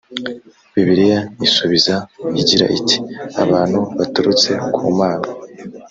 bibiliya isubiza igira iti abantu baturutse ku mana